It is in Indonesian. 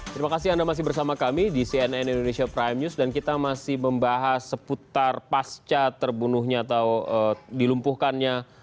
terima kasih anda masih bersama kami di cnn indonesia prime news dan kita masih membahas seputar pasca terbunuhnya atau dilumpuhkannya